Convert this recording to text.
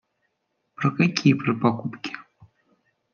Про какие про покупки?